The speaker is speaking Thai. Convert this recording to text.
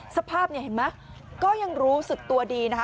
สภาพเนี่ยเห็นไหมก็ยังรู้สึกตัวดีนะคะ